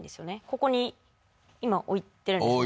ここに今置いてるんですよね？